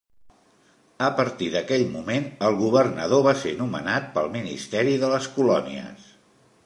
A partir d'aquell moment, el Governador va ser nomenat pel Ministeri de les Colònies.